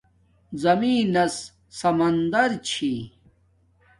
زمین نس سمندر چھی